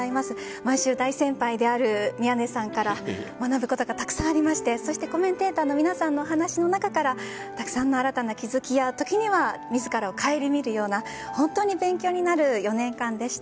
毎週大先輩である宮根さんから学ぶことがたくさんありましてコメンテーターの皆さんの話の中からたくさんの新たな気づきや時には自らを省みるような本当に勉強になる４年間でした。